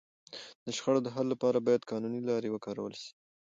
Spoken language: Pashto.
د شخړو د حل لپاره باید قانوني لاري وکارول سي.